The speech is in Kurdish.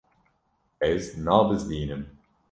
Ez nabizdînim.